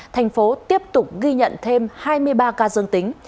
thành phố tiếp tục ghi nhận thêm hai mươi ba ca dương tính